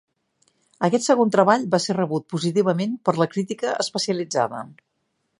Aquest segon treball va ser rebut positivament per la crítica especialitzada.